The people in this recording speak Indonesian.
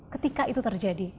ketika itu terjadi